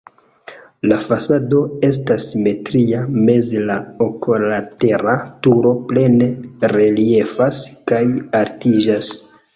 La fasado estas simetria, meze la oklatera turo plene reliefas kaj altiĝas.